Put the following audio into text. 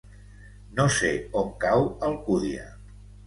No sé on cau Alcúdia.